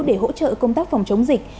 để hỗ trợ công tác phòng chống dịch